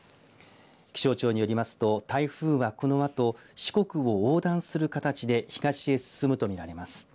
気象庁によりますと台風はこのあと四国を横断する形で東へ進むとみられます。